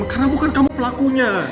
karena bukan kamu pelakunya